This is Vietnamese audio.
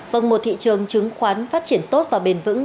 vâng một thị trường chứng khoán phát triển tốt và bền vững